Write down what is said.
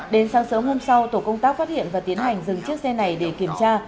đến sáng sớm hôm sau tổ công tác phát hiện và tiến hành dừng chiếc xe này để kiểm tra